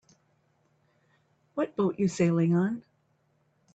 What boat you sailing on?